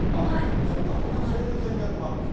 そうか、そうか、そういう戦略もあるんですね。